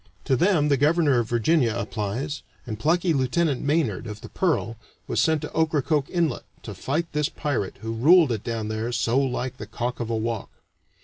To them the Governor of Virginia applies, and plucky Lieutenant Maynard, of the Pearl, was sent to Ocracoke Inlet to fight this pirate who ruled it down there so like the cock of a walk.